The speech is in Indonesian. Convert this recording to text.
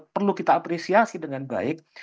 perlu kita apresiasi dengan baik